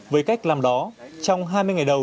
với cách làm đó trong hai mươi ngày đầu